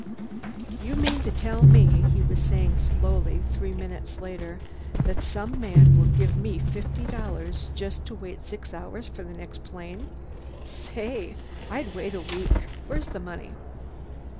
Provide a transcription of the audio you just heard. "You mean to tell me," he was saying slowly three minutes later, "that some man will give me fifty dollars just to wait six hours for the next plane? Say! I'd wait a week. Where's the money?"